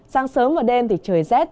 sáng sớm và đêm thì trời rét